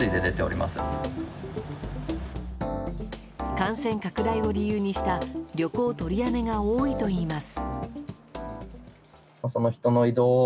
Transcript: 感染拡大を理由にした旅行取りやめが多いといいます。